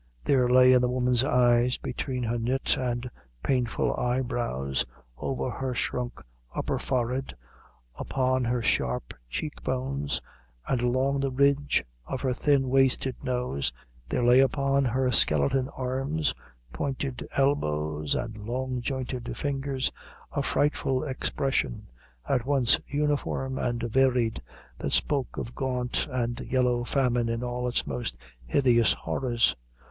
There lay in the woman's eyes between her knit and painful eye brows, over her shrunk upper forehead, upon her sharp cheek bones, and along the ridge of her thin, wasted nose there lay upon her skeleton arms, pointed elbows, and long jointed fingers, a frightful expression, at once uniform and varied, that spoke of gaunt and yellow famine in all its most hideous horrors.